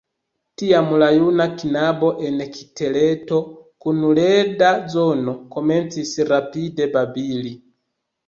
Tiam la juna knabo en kiteleto kun leda zono komencis rapide babili.